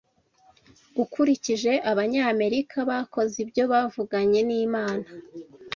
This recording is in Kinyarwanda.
Ukurikije Abanyamerika bakoze ibyo Bavuganye n'Imana